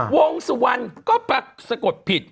วงสวรรค์ก็ปกปิด